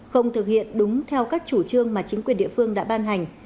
không thực hiện đúng theo các chủ trương mà chính quyền địa phương đã ban hành